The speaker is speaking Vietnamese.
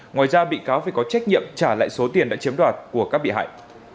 ngoài ra bị cáo phải có trách nhiệm trả lại số tiền đã chiếm đoạt của các bị hại